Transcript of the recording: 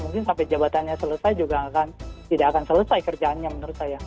mungkin sampai jabatannya selesai juga tidak akan selesai kerjaannya menurut saya